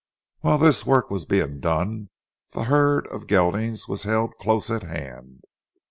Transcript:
While this work was being done, the herd of geldings was held close at hand.